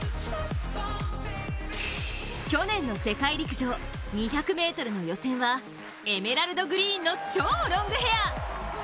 去年の世界陸上、２００ｍの予選はエメラルドグリーンの超ロングヘア。